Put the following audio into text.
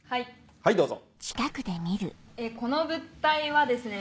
はいどうぞ。